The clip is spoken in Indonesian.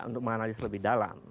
untuk menganalisis lebih dalam